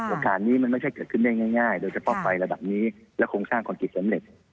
ปัญหานี้มันไม่ใช่เกิดขึ้นได้ง่ายโดยเฉพาะไฟระดับนี้และโครงสร้างคอนกิตสำเร็จ